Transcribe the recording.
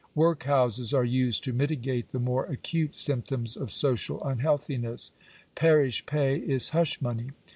Workhouses are used to mitigate the more acute symptoms of social unhealthiness. Parish pay is hush money.